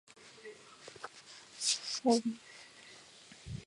他们认为犹太人所信奉的圣殿犹太教是一种世俗化了的宗教。